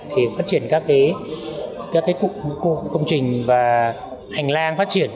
để phát triển các cái cục công trình và hành lang phát triển